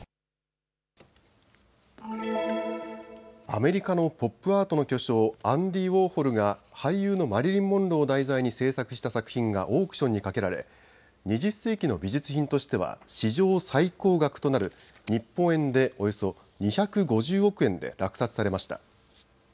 アメリカのポップアートの巨匠、アンディ・ウォーホルが俳優のマリリン・モンローを題材に制作した作品がオークションにかけられ、２０世紀の美術品としては史上最高額となる日本円でおよそ２５０億円で落札されました。